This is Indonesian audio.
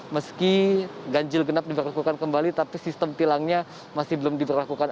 meski ganjil genap diberlakukan kembali tapi sistem tilangnya masih belum diberlakukan